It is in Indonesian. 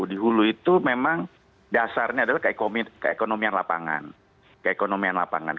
di hulu itu memang dasarnya adalah keekonomian lapangan